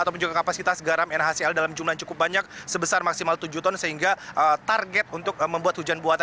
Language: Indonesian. ataupun juga kapasitas garam nhcl dalam jumlah yang cukup banyak sebesar maksimal tujuh ton sehingga target untuk membuat hujan buatan